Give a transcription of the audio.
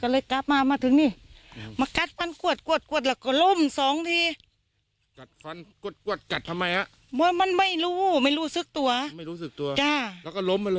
แล้วก็ล่มไปเลยหรอ